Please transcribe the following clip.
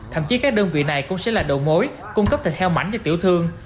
thậm chí các đơn vị này cũng sẽ là đầu mối cung cấp thịt heo mạnh cho tiểu thương